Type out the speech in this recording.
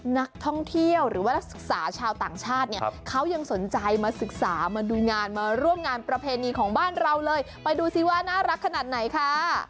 นักท่องเที่ยวหรือว่านักศึกษาชาวต่างชาติเนี่ยเขายังสนใจมาศึกษามาดูงานมาร่วมงานประเพณีของบ้านเราเลยไปดูสิว่าน่ารักขนาดไหนค่ะ